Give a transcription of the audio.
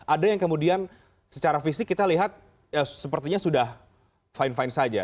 ada yang kemudian secara fisik kita lihat sepertinya sudah fine fine saja